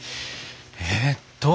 えっと。